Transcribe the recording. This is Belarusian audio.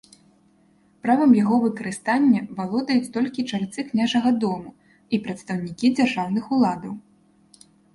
Правам яго выкарыстання валодаюць толькі чальцы княжага дому і прадстаўнікі дзяржаўных уладаў.